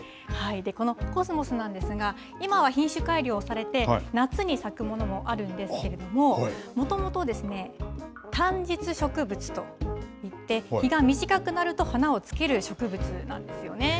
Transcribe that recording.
このコスモスなんですが、今は品種改良されて、夏に咲くものもあるんですけれども、もともと短日植物といって、日が短くなると花をつける植物なんですよね。